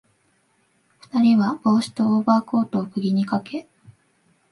二人は帽子とオーバーコートを釘にかけ、